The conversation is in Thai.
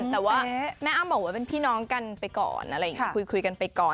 แต่ว่าแม่อ้ำบอกว่าเป็นพี่น้องกันไปก่อนอะไรอย่างนี้คุยกันไปก่อน